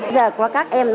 giờ có các em